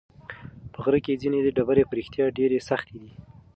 په غره کې ځینې ډبرې په رښتیا ډېرې سختې دي.